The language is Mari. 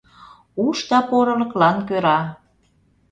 Уш да порылыклан кӧра.